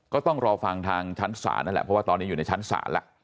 ก็ต้องรอฟังทางชั้นศาลนั่นแหละเพราะว่าตอนนี้อยู่ในชั้นศาลแล้ว